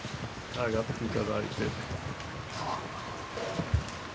上がって頂いて。